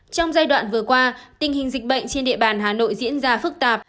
trong giai đoạn vừa qua tình hình dịch bệnh trên địa bàn hà nội diễn ra phức tạp